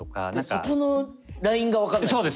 そこのラインが分かんないんすけど。